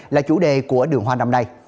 là chủ đề của đường hoa năm nay